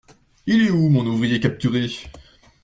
Il est où mon ouvrier capturé?